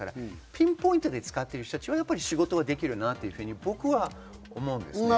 ピンポイントで使っている人たちを仕事ができるなと僕は思います。